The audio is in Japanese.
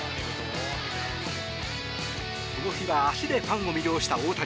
この日は足でファンを魅了した大谷。